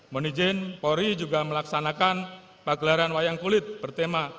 menijin polri juga melaksanakan pagelaran wayang kulit bertema